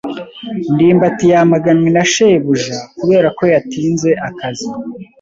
ndimbati yamaganwe na shebuja kubera ko yatinze akazi.